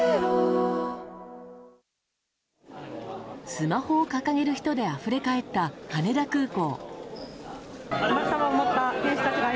スマホを掲げる人であふれ返った羽田空港。